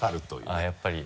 あっやっぱり。